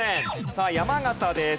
さあ山形です。